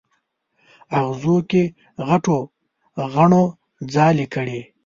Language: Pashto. اغزو کې غټو غڼو ځالې کړي